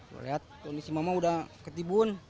lihat ini si mama udah ketibun